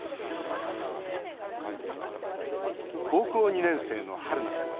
高校２年生の、はるなさん。